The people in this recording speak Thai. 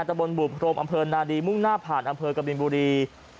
ตะบนบุพรมอำเภอนาดีมุ่งหน้าผ่านอำเภอกบินบุรี